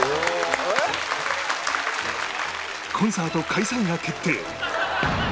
コンサート開催が決定